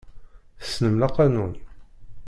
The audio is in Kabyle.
Tessnem laqanun.